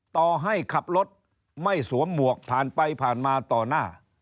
ต่อให้ขับรถไม่สวมหมวกผ่านไปผ่านมาต่อหน้า